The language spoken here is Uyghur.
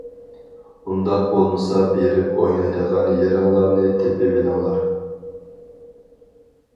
ئۇنداق بولمىسا بېرىپ «ئوينايدىغان» يېرىڭلارنى تېپىۋېلىڭلار.